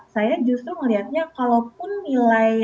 saya justru melihatnya kalaupun nilai